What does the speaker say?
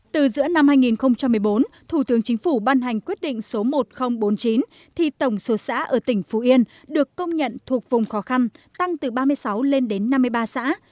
từ giữa năm hai nghìn một mươi bốn thủ tướng chính phủ ban hành quyết định số một nghìn bốn mươi chín thì tổng số xã ở tỉnh phú yên được công nhận thuộc vùng khó khăn tăng từ ba mươi sáu lên đến năm mươi ba xã